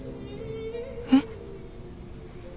えっ？